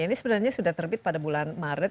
ini sebenarnya sudah terbit pada bulan maret